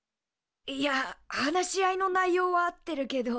いや話し合いの内容は合ってるけど。